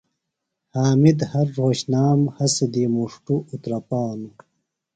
حامد ہر رھوتشنام ہسیۡ دی مُݜٹوۡ اُترپانوۡ۔